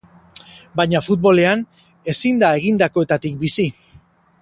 Baina futbolean ezin da egindakoetatik bizi.